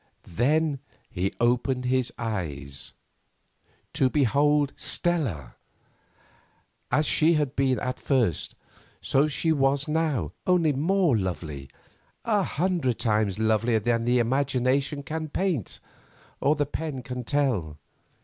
Then he opened his eyes—to behold Stella. As she had been at first, so she was now, only more lovely—a hundred times lovelier than the imagination can paint, or the pen can tell.